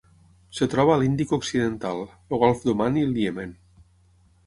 Es troba a l'Índic occidental: el golf d'Oman i el Iemen.